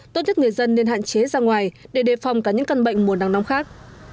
tốt nhất người dân nên hạn chế ra ngoài để đề phòng cả những căn bệnh mùa nắng nóng khác